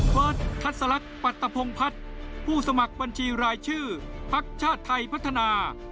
เวิร์ดทัศลักษ์ปัตตะพงพัฒน์ผู้สมัครบัญชีรายชื่อพรรคชาติไทยพัฒนา